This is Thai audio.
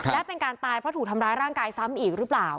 และเป็นการตายเพราะถูกทำร้ายร่างกายซ้ำอีกหรือเปล่า